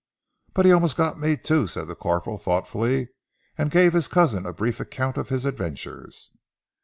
"But he almost got me too," said the corporal thoughtfully, and gave his cousin a brief account of his adventures.